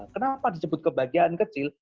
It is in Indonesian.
kenapa disebut kebahagiaan kecil